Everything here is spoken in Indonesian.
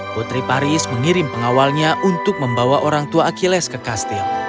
putri paris mengirim pengawalnya untuk membawa orang tua achilles ke kastil